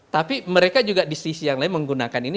tapi mereka juga di sisi yang lain menggunakan ini